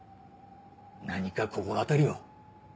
何か心当たりは？